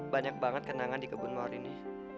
banyak banget kenangan di kebun mawar ini